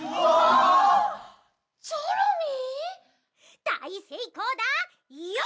「あっ！チョロミー！」。